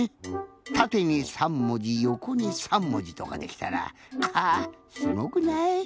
たてに３もじよこに３もじとかできたらかあすごくない？